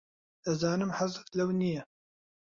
دەزانم حەزت لەو نییە.